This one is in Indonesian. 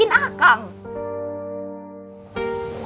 gimana gak ngeluh terus